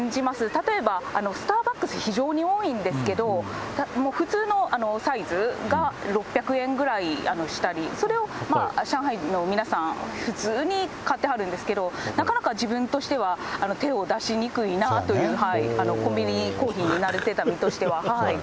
例えば、スターバックス、非常に多いんですけど、普通のサイズが６００円ぐらいしたり、それを上海の皆さん、普通に買ってはるんですけど、なかなか自分としては手を出しにくいなという、コンビニコーヒーに慣れてた身としては。